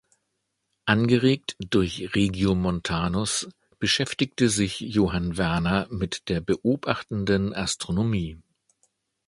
Angeregt durch Regiomontanus beschäftigte sich Johann Werner mit der beobachtenden Astronomie.